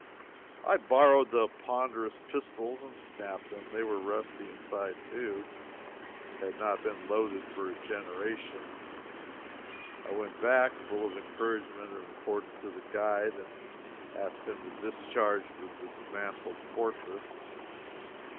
I borrowed the ponderous pistols and snapped them. They were rusty inside, too had not been loaded for a generation. I went back, full of encouragement, and reported to the guide, and asked him to discharge this dismantled fortress.